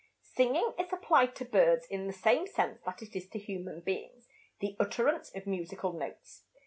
Singing is applied to birds in the same sense that it is to human beings the utterance of musical notes.